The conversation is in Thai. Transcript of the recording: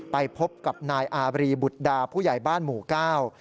ไปพบกับนายอาบรีบุตรดาผู้ใหญ่บ้านหมู่เก้า